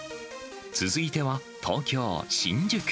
続いては、東京・新宿。